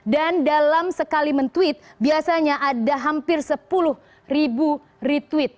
dan dalam sekali men tweet biasanya ada hampir sepuluh retweet